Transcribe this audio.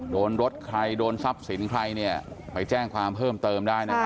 โดนรถใครโดนทรัพย์สินใครเนี่ยไปแจ้งความเพิ่มเติมได้นะครับ